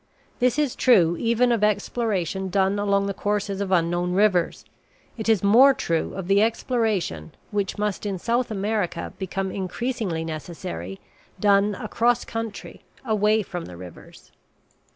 This is true even of exploration done along the courses of unknown rivers; it is more true of the exploration, which must in South America become increasingly necessary, done across country, away from the rivers.